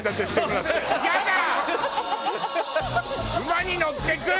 馬に乗っていく！